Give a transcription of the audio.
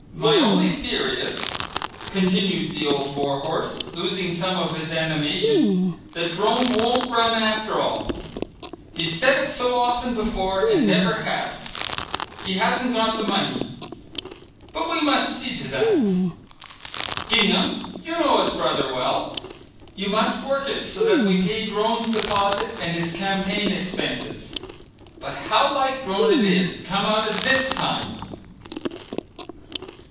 "My only fear is," continued the old war horse, losing some of his animation, "that Drone won't run after all. He's said it so often before and never has. He hasn't got the money. But we must see to that. Gingham, you know his brother well; you must work it so that we pay Drone's deposit and his campaign expenses. But how like Drone it is to come out at this time!"